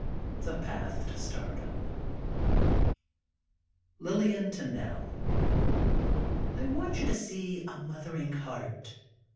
V THE PATH TO STARDOM Lillian to Nell: I want you to see "A Mothering Heart"